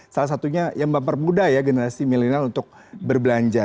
salah satunya yang mempermudah ya generasi milenial untuk berbelanja